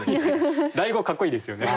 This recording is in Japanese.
「雷轟」かっこいいですよね。